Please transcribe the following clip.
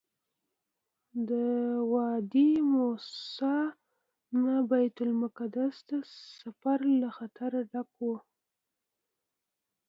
د وادي موسی نه بیت المقدس ته سفر له خطره ډک وو.